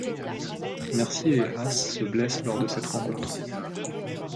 Mercier et Haas se blessent lors de cette rencontre.